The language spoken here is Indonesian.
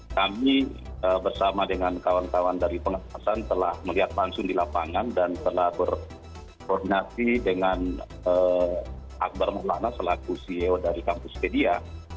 kami bersama dengan kawan kawan dari pengawasan telah melihat langsung di lapangan dan telah berkoordinasi dengan akbar maulana selaku ceo dari kampus media